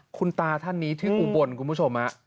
คุณตาท่านนี้ที่อุบลคุณผู้ชม